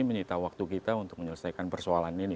menyita waktu kita untuk menyelesaikan persoalan ini